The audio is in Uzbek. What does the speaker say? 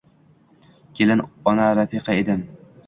Kelin, ona, rafiqa edim